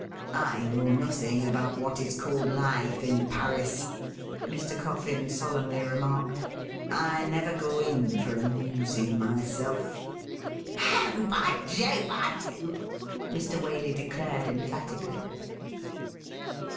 ' I know nothing about what is called life in Parisj' Mr. Coffin solemnly remarked. ' I never go in for amusing myself.' ' Oh, by Jove ! I do,' Mr. Waley declared emphatically.